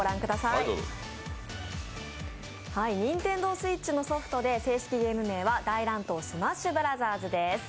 ＮｉｎｔｅｎｄｏＳｗｉｔｃｈりのソフトで正式ゲーム名は「大乱闘スマッシュブラザーズ」です。